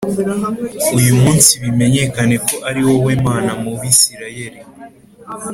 uyu munsi bimenyekane ko ari wowe Mana mu Bisirayeli